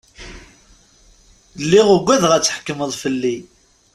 Lliɣ ugadeɣ ad tḥekkmeḍ fell-i!